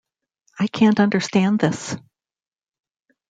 I can't understand this!